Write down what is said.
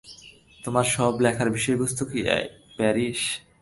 তোমার সব লেখার বিষয়বস্তু কি এই প্যারিস?